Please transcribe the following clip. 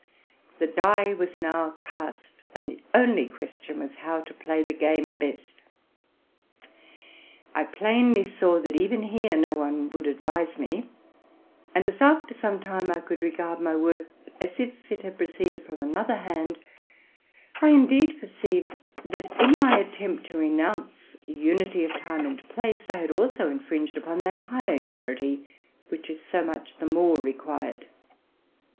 The die was now cast; and the only question was, how to play the game best. I plainly saw that even here no one would advise me; and, as after some time I could regard my work as if it had pro ceeded from another hand, I indeed perceived, that, in my attempt to renounce unity of time and place, I had also in fringed upon that higher unity which is so much the more required.